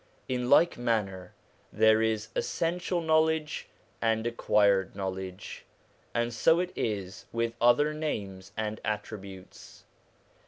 In like manner there is essential knowledge and acquired knowledge ; and so it is with other names and attributes.